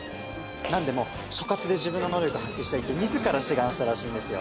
何でも所轄で自分の能力を発揮したいって自ら志願したらしいんですよ。